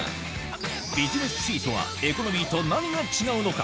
ビジネスシートはエコノミーと何が違うのか？